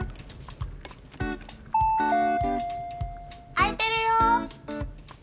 開いてるよ。